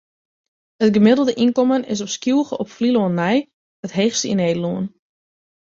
It gemiddelde ynkommen is op Skylge op Flylân nei it heechste yn Nederlân.